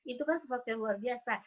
itu kan sesuatu yang luar biasa